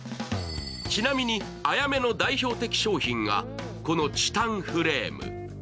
ちなみにａｙａｍｅの代表的商品がこのチタンフレーム。